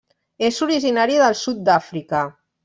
És originari del sud d'Àfrica.